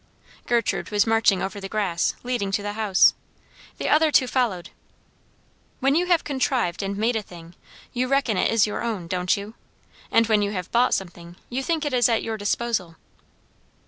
Gertrude was marching over the grass, leading to the house. The other two followed. "When you have contrived and made a thing, you reckon it is your own, don't you? and when you have bought something, you think it is at your disposal?"